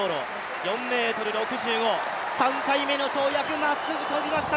３回目の跳躍、まっすぐ跳びました